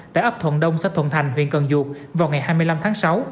tại ấp thuận đông xã thuận thành huyện cần duộc vào ngày hai mươi năm tháng sáu